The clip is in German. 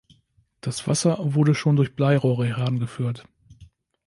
Das Wasser wurde schon durch Bleirohre herangeführt.